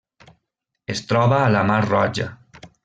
Es troba a la Mar Roja.